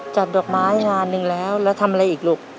ดอกไม้งานหนึ่งแล้วแล้วทำอะไรอีกลูก